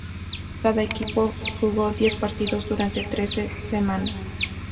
Cada equipo jugó diez partidos durante trece semanas.